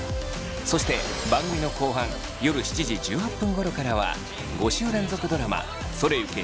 そして番組の後半夜７時１８分ごろからは５週連続ドラマ「それゆけ！